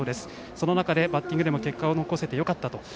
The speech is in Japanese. その中でバッティングでも結果を残せてよかった。